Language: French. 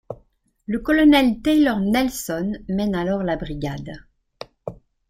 Le colonel Taylor Nelson mène alors la brigade.